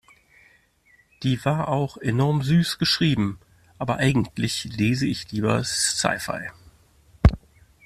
Die war auch enorm süß geschrieben. Aber eigentlich lese ich lieber Sci-Fi.